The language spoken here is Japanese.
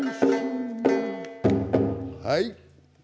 はい。